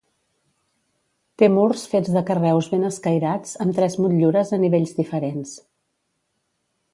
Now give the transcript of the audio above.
Té murs fets de carreus ben escairats amb tres motllures a nivells diferents.